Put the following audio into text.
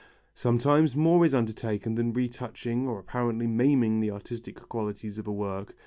Sometimes more is undertaken than retouching or apparently maiming the artistic qualities of a work.